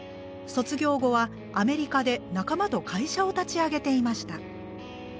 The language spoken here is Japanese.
卒業後はアメリカで仲間と会社を立ち上げていました。